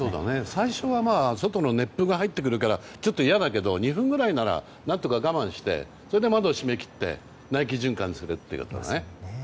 最初は外の熱風が入ってくるからちょっと嫌だけど２分ぐらいなら何とか我慢してそれで窓を閉め切って内気循環にすると。